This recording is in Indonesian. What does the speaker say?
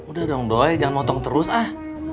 udah dong doy jangan motong terus ah